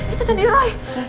itu tadi roy